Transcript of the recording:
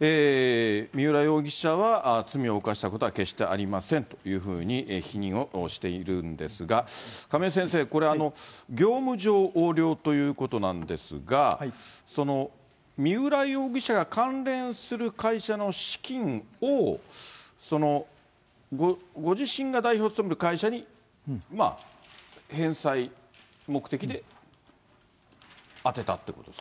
三浦容疑者は、罪を犯したことは決してありませんというふうに、否認をしているんですが、亀井先生、これ、業務上横領ということなんですが、三浦容疑者が関連する会社の資金を、ご自身が代表を務める会社に、返済目的で充てたってことですか？